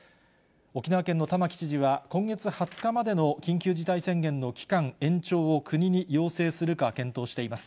沖縄県の玉城知事は、今月２０日までの緊急事態宣言の期間延長を国に要請するか検討しています。